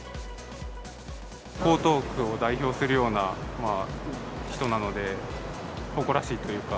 江東区を代表するような人なので、誇らしいというか。